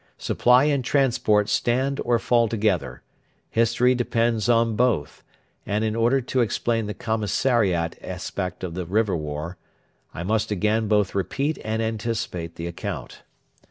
Supply and transport stand or fall together; history depends on both; and in order to explain the commissariat aspect of the River War, I must again both repeat and anticipate the account.